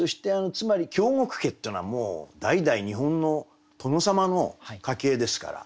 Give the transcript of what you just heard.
つまり京極家っていうのはもう代々日本の殿様の家系ですから。